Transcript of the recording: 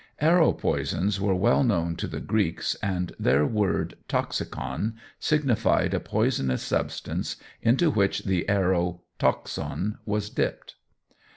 Arrow poisons were well known to the Greeks and their word "toxicon" signified a poisonous substance into which the arrow "toxon" was dipped.